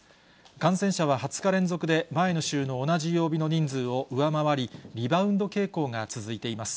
感染者は２０日連続で前の週の同じ曜日の人数を上回り、リバウンド傾向が続いています。